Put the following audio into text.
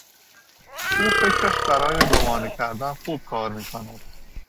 او فکرش برای گمانه کردن خوب کار میکند.